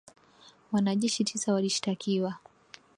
Wanajeshi tisa walishtakiwa